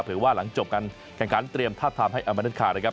ว่าหลังจบการแข่งขันเตรียมทาบทามให้อามาเดอร์คาร์นะครับ